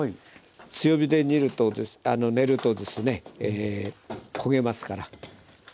強火で練るとですね焦げますから。